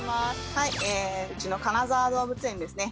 はいうちの金沢動物園ですね